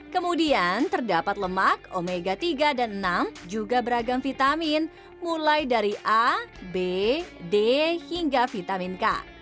kemudian terdapat lemak omega tiga dan enam juga beragam vitamin mulai dari a b d hingga vitamin k